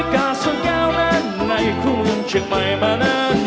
กล้าส่วนยาวแล้วไงคู่ลงเชียงใหม่มานานนา